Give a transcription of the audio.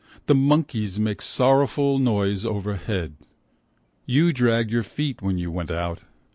The monkeys make sorrowful noise overhead. You dragged your feet when you went out.